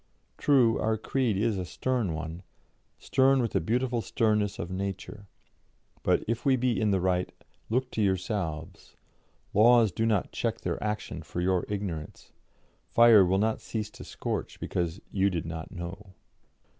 True, our creed is a stern one, stern with the beautiful sternness of Nature. But if we be in the right, look to yourselves; laws do not check their action for your ignorance; fire will not cease to scorch, because you 'did not know.'"